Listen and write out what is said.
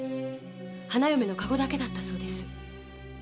花嫁の駕籠だけだったそうです。